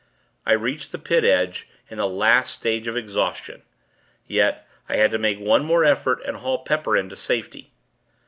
I reached the Pit edge, in the last stage of exhaustion. Yet, I had to make one more effort, and haul Pepper into safety.